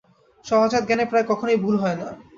সহজাত জ্ঞানে প্রায় কখনই ভুল হয় না।